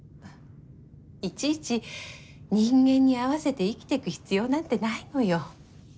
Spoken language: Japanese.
いちいち人間に合わせて生きていく必要なんてないのよ。